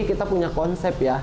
kita punya konsep ya